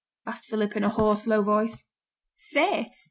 asked Philip, in a hoarse low voice. 'Say?